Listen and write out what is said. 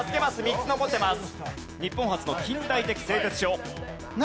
日本初の近代的製鉄所。